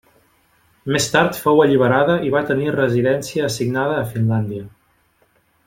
Més tard fou alliberada i va tenir residència assignada a Finlàndia.